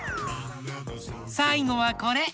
さいごはこれ。